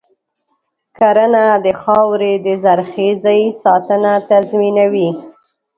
کرنه د خاورې د زرخیزۍ ساتنه تضمینوي.